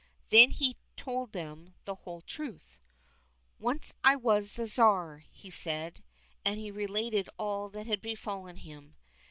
Then he told them the whole truth. " Once I was the Tsar," said he, and he related all that had befallen him.